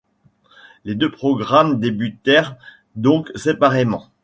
Les deux programmes débutèrent donc séparément.